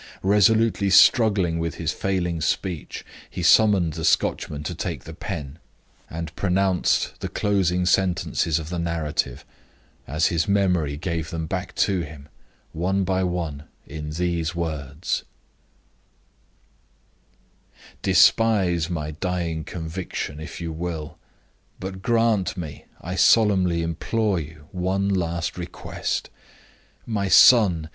Resolutely struggling with his failing speech, he summoned the Scotchman to take the pen, and pronounced the closing sentences of the narrative, as his memory gave them back to him, one by one, in these words: "Despise my dying conviction if you will, but grant me, I solemnly implore you, one last request. My son!